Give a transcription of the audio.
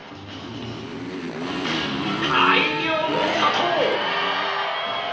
大量の砂糖！